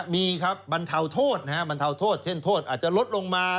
มีครับบรรเทาโทษเช่นโทษอาจจะลดลงมา